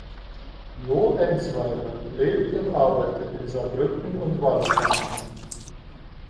Jo Enzweiler lebt und arbeitet in Saarbrücken und Wallerfangen.